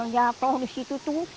jatuh di situ